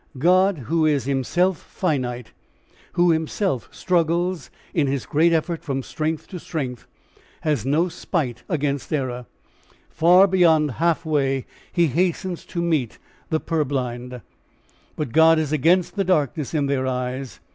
God who is himself finite, who himself struggles in his great effort from strength to strength, has no spite against error. Far beyond halfway he hastens to meet the purblind. But God is against the darkness in their eyes.